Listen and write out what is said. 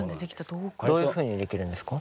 どういうふうにできるんですか？